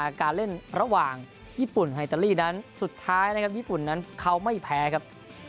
การเล่นระหว่างญี่ปุ่นไฮตาลีนั้นสุดท้ายนะครับญี่ปุ่นนั้นเขาไม่แพ้ครับ